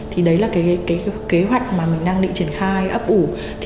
thì đấy là cái kế hoạch mà mình đang định triển khai ấp ủ